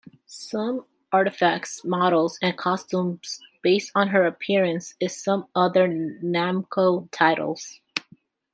Some artifacts, models and costumes based on her appeared in some other Namco titles.